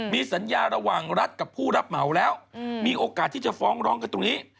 มีสัญญาระหว่างรัฐกับผู้รับเหมาแล้วมีโอกาสที่จะฟ้องร้องกันตรงนี้